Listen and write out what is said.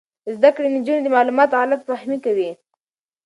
زده کړې نجونې د معلوماتو غلط فهمۍ کموي.